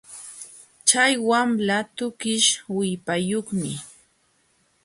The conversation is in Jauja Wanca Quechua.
Chay wamla tukish willpayuqmi